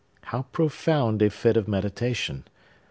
How profound a fit of meditation!